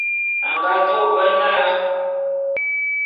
A nga jô bé na.